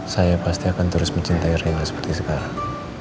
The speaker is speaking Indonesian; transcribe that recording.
saya pasti akan terus mencintai erina seperti sekarang